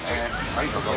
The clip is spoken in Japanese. はいどうぞ。